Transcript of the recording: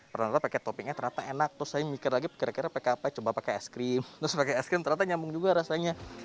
ternyata pakai toppingnya ternyata enak terus saya mikir lagi kira kira pakai apa coba pakai es krim terus pakai es krim ternyata nyambung juga rasanya